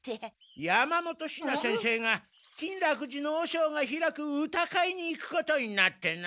山本シナ先生が金楽寺の和尚が開く歌会に行くことになってな。